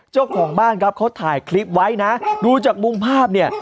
เจ้าของบ้านครับเขาถ่ายคลิปไว้นะดูจากมุมภาพเนี่ย